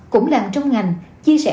cũng làm trong ngành chia sẻ